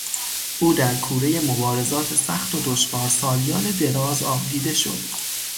او در کورهٔ مبارزات سخت و دشوار سالیان دراز آبدیده شد